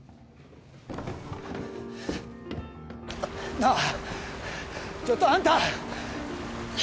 なあちょっとあんた！